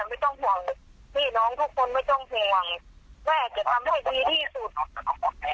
ไม่ต้องห่วงพี่น้องทุกคนไม่ต้องห่วงแม่จะทำให้ดีที่สุด